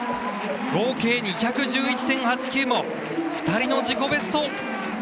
合計２１１．８９も２人の自己ベスト！